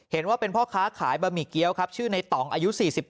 เห็นว่าเป็นพ่อค้าขายบะหมี่เกี้ยวครับชื่อในต่องอายุ๔๗